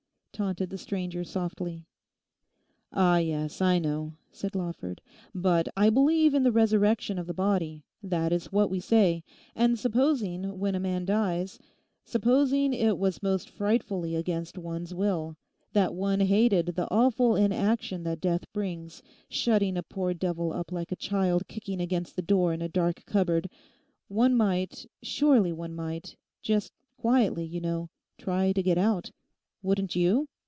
taunted the stranger softly. 'Ah, yes, I know,' said Lawford. 'But I believe in the resurrection of the body; that is what we say; and supposing, when a man dies—supposing it was most frightfully against one's will; that one hated the awful inaction that death brings, shutting a poor devil up like a child kicking against the door in a dark cupboard; one might surely one might—just quietly, you know, try to get out? wouldn't you?